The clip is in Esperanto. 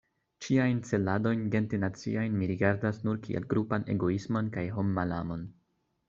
Ĉiajn celadojn gente-naciajn mi rigardas nur kiel grupan egoismon kaj hommalamon.